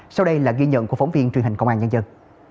sau đây là ghi nhận của phóng viên truyền hình công an nhân dân